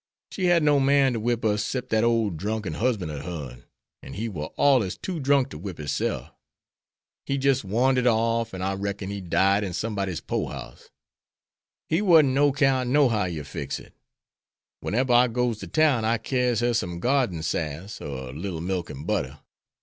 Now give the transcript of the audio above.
She had no man ter whip us 'cept dat ole drunken husband ob hern, an' he war allers too drunk ter whip hisself. He jis' wandered off, an' I reckon he died in somebody's pore house. He warn't no 'count nohow you fix it. Weneber I goes to town I carries her some garden sass, er a little milk an' butter.